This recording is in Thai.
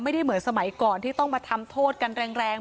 ไม่ได้เหมือนสมัยก่อนที่ต้องมาทำโทษกันแรง